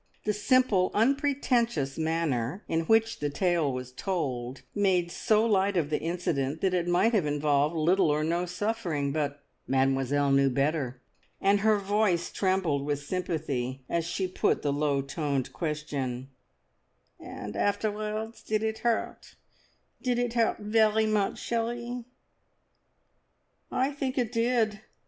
The simple, unpretentious manner in which the tale was told, made so light of the incident that it might have involved little or no suffering; but Mademoiselle knew better, and her voice trembled with sympathy as she put the low toned question "And afterwards did it hurt did it hurt very much, cherie?" "I think it did.